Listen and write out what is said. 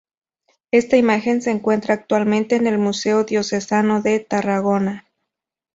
Esta imagen se encuentra actualmente en el Museo Diocesano de Tarragona.